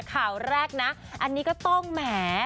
ข่าวแรกนะอันนี้ก็ต้องแหม